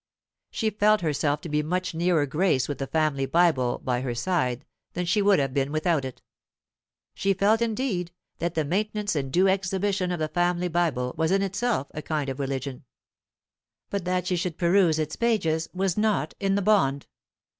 She felt herself to be much nearer grace with the family Bible by her side than she would have been without it; she felt, indeed, that the maintenance and due exhibition of the family Bible was in itself a kind of religion. But that she should peruse its pages was not in the bond.